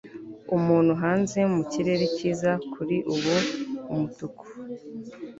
umuntu hanze mu kirere cyiza kuri ubu umutuku